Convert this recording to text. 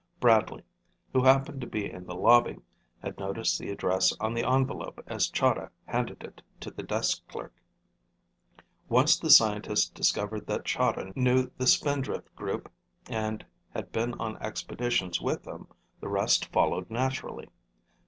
Bradley, who happened to be in the lobby, had noticed the address on the envelope as Chahda handed it to the desk clerk. Once the scientist discovered that Chahda knew the Spindrift group and had been on expeditions with them, the rest followed naturally.